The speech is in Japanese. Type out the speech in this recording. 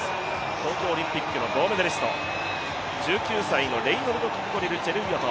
東京オリンピックの銅メダリスト、１９歳のレイノルドキプコリル・チェルイヨト